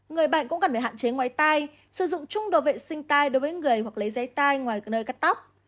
người bệnh cũng cần phải hạn chế ngoài tay sử dụng chung đồ vệ sinh tay đối với người hoặc lấy dây tay ngoài nơi cắt tóc